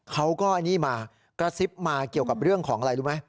เขาก็อันนี้มากระซิบมาเกี่ยวกับเรื่องของอะไรรู้ไหม